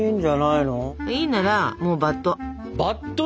いいならもうバット。